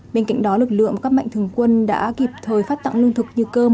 bên cạnh đó lực lượng các mạnh thường quân đã kịp thời phát tặng lương thực như cơm